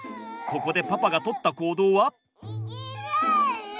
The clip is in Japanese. ここでパパがとった行動は？